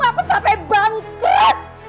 aku sampai bangkut